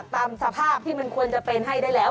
ตามสภาพที่มันควรจะเป็นให้ได้แล้ว